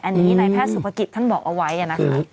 อันนี้นายแพทย์สุภกิจท่านบอกเอาไว้นะคะ